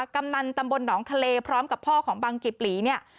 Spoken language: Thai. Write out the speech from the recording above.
กำนันตำบลหนองทะเลพร้อมกับพ่อของบังกิบหลีเนี่ย